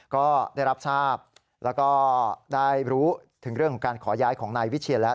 ก็ได้รับทราบแล้วก็ได้รู้ถึงเรื่องของการขอย้ายของนายวิเชียนแล้ว